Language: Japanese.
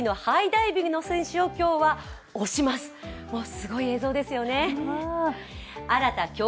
すごい映像ですよね。